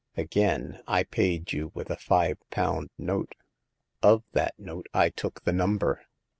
Again, I paid you with a five pound note. Of that note I took the number.